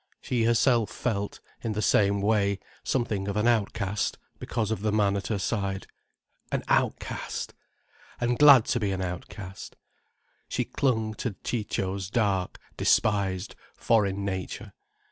She herself felt, in the same way, something of an outcast, because of the man at her side. An outcast! And glad to be an outcast. She clung to Ciccio's dark, despised foreign nature.